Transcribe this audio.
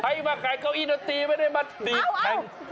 ใครมาแข่งเก้าอี้ดนตรีไม่ได้มาดีดแข่ง